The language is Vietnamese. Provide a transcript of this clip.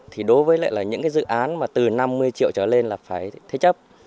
thì đối với lại là những cái dự án mà từ năm mươi triệu trở lên là phải thế chấp